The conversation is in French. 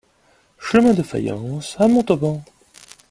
Chemin de Fayence à Montauban